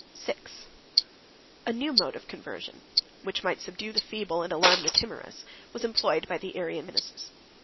105 VI. A new mode of conversion, which might subdue the feeble, and alarm the timorous, was employed by the Arian ministers.